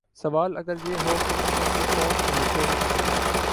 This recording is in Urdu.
سوال اگر یہ ہو کہ ان میں سے کون محب وطن ہے